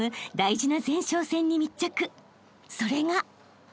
［それが］